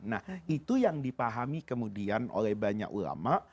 nah itu yang dipahami kemudian oleh banyak ulama